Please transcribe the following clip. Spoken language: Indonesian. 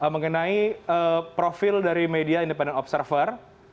mengenai profil dari media independent observer